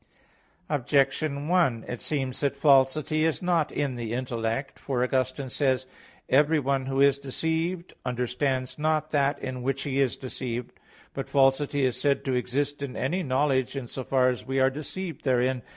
Objection 1: It seems that falsity is not in the intellect. For Augustine says (Qq. lxxxiii, 32), "Everyone who is deceived, understands not that in which he is deceived." But falsity is said to exist in any knowledge in so far as we are deceived therein.